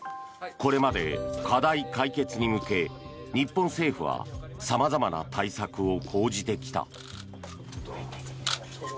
これまで課題解決に向け日本政府は様々な対策を講じてきた。